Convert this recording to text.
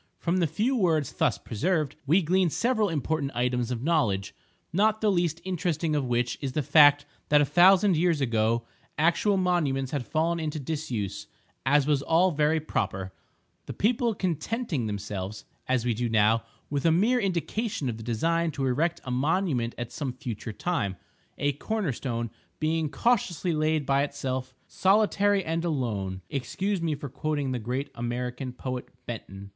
From the few words thus preserved, we glean several important items of knowledge, not the least interesting of which is the fact that a thousand years ago actual monuments had fallen into disuse—as was all very proper—the people contenting themselves, as we do now, with a mere indication of the design to erect a monument at some future time; a corner stone being cautiously laid by itself "solitary and alone" (excuse me for quoting the great American poet Benton!)